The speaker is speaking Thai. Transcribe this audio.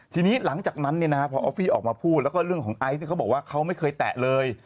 ทีนี้หลังจากนั้นพอออฟฟี่ออกมาพูดแล้วก็เรื่องของไอซ์เขาบอกว่าเขาไม่เคยแตะเลย